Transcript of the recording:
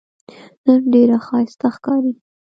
نن ډېره ښایسته ښکارې